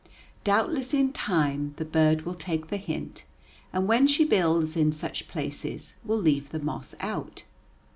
Doubtless in time the bird will take the hint, and when she builds in such places will leave the moss out.